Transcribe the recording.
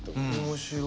面白い。